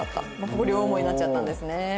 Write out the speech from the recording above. ここ両思いになっちゃったんですね。